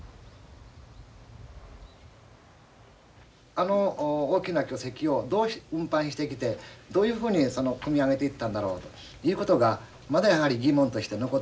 あの大きな巨石をどう運搬してきてどういうふうに組み上げていったんだろうということがまだやはり疑問として残ってるわけであります。